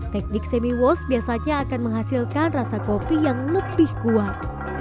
teknik semi wash biasanya akan menghasilkan rasa kopi yang lebih kuat